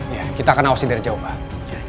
iya kita akan hausin dari jauh pak